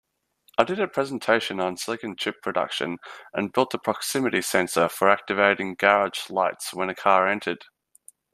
I did a presentation on silicon chip production and built a proximity sensor for activating garage lights when a car entered.